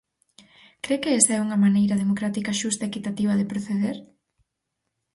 ¿Cre que esa é unha maneira democrática, xusta, equitativa, de proceder?